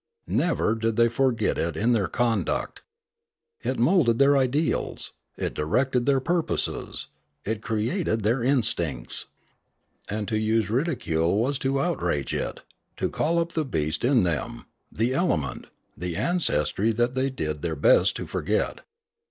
Never did they forget it in their conduct. It moulded their ideals, it directed their purposes, it created their instincts. And to use ridicule was to outrage it, to call up the beast in them, the element, the ancestry that they did their best to forget.